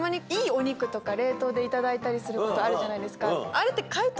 あれって。